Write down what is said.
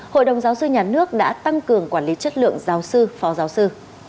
hội đồng giáo sư nhà nước đã tăng cường quản lý chất lượng giáo sư phó giáo sư